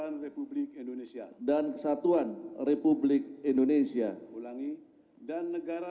terlihat tidak dikenal